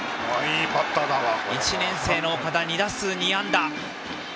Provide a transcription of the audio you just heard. １年生の岡田、２打数２安打。